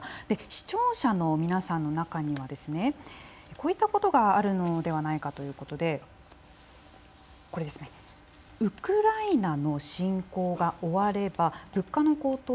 視聴者の皆さんの中にはこういったことがあるのではないかということでウクライナの侵攻が終われば物価の高騰